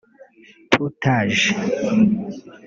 Tout Age